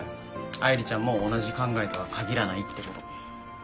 愛梨ちゃんも同じ考えとは限らないってこと。